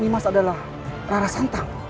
nimas nimas adalah rarasantang